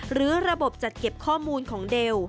หรือระบบจัดเก็บข้อมูลของเดล